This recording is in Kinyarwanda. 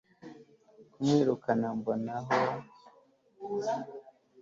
kumwirukana mbona aho